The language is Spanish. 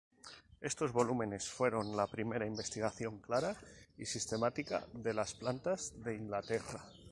Estos volúmenes fueron la primera investigación clara y sistemática de las plantas de Inglaterra.